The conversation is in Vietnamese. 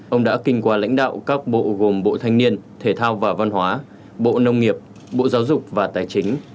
ông đã kinh qua lãnh đạo các bộ gồm bộ thanh niên thể thao và văn hóa bộ nông nghiệp bộ giáo dục và tài chính